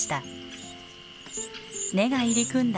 根が入り組んだ